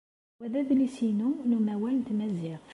Wa d adlis-inu n umawal n tmaziɣt.